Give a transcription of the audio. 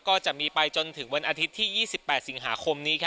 ก็จะมีไปจนถึงวันอาทิตย์ที่๒๘สิงหาคมนี้